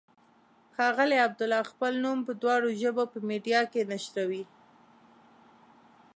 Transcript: ښاغلی عبدالله خپل نوم په دواړو ژبو په میډیا کې نشروي.